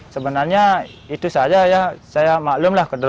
sebenarnya itu saja ya saya maklumlah